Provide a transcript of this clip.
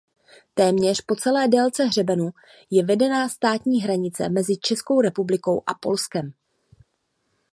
Téměř po celé délce hřebenu je vedena státní hranice mezi Českou republikou a Polskem.